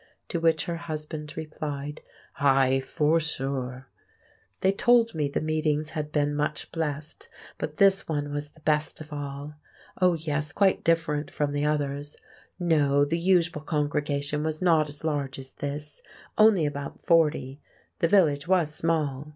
To which her husband replied, "Ay! for sure." They told me the meetings had been much blessed, but this one was the best of all. Oh, yes, quite different from the others. No, the usual congregation was not as large as this, only about forty; the village was small.